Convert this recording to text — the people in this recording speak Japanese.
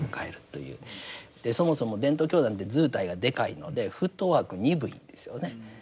そもそも伝統教団って図体がでかいのでフットワーク鈍いんですよね。